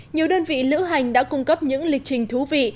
nhiều đơn vị lữ hành đã cung cấp những lịch trình thú vị